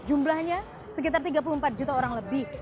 jumlahnya sekitar tiga puluh empat juta orang lebih